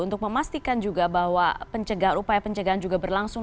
untuk memastikan juga bahwa upaya pencegahan juga berlangsung